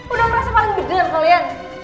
udah merasa paling gede kalian